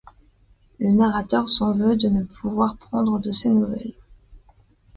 Le narrateur s'en veut de ne pouvoir prendre de ses nouvelles.